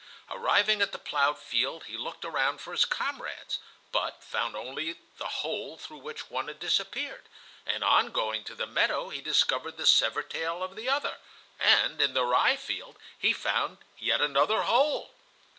Arriving at the plowed field he looked around for his comrades, but found only the hole through which one had disappeared; and on going to the meadow he discovered the severed tail of the other, and in the rye field he found yet another hole.